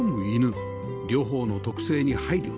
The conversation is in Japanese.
両方の特性に配慮